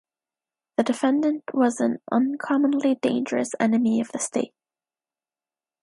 The defendant was an uncommonly dangerous enemy of the state.